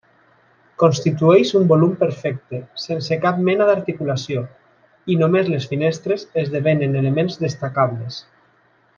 Constitueix un volum perfecte, sense cap mena d'articulació, i només les finestres esdevenen elements destacables.